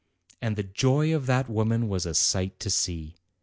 And the joy of that woman was a sight to see.